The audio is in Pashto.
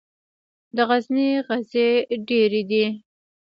د غزني غزې ډیرې دي